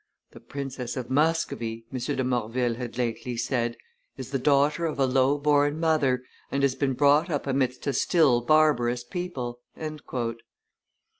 "The Princess of Muscovy," M. de Morville had lately said, "is the daughter of a low born mother, and has been brought up amidst a still barbarous people."